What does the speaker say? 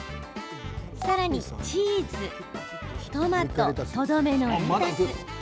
さらにチーズ、トマトとどめのレタス。